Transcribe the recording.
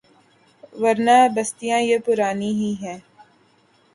ورنہ بستیاں یہ پرانی ہی ہیں۔